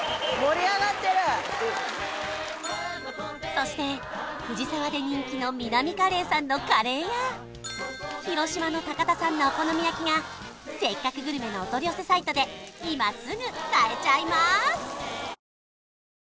そして藤沢で人気のミナミカレーさんのカレーや広島の高田さんのお好み焼きがせっかくグルメのお取り寄せサイトで今すぐ買えちゃいます